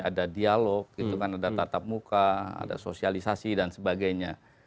ada dialog gitu kan ada tatap muka ada sosialisasi dan sebagainya